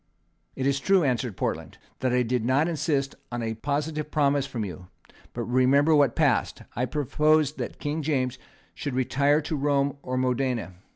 "It is true," answered Portland, "that I did not insist on a positive promise from you; but remember what passed. I proposed that King James should retire to Rome or Modena.